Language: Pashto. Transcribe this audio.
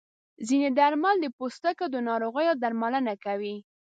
ځینې درمل د پوستکي د ناروغیو درملنه کوي.